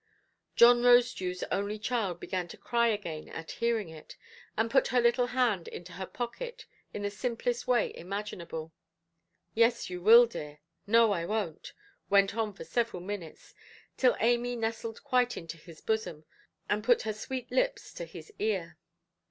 John Rosedewʼs only child began to cry again at hearing it, and put her little hand into her pocket in the simplest way imaginable. "Yes, you will, dear"; "No, I wonʼt"; went on for several minutes, till Amy nestled quite into his bosom, and put her sweet lips to his ear.